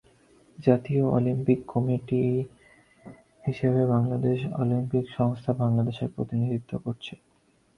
জাতীয় Olympic committee হিসেবে Bangladesh Olympic সংস্থা বাংলাদেশের প্রতিনিধিত্ব করছে।